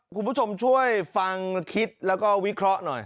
คุณผู้ชมช่วยฟังคิดแล้วก็วิเคราะห์หน่อย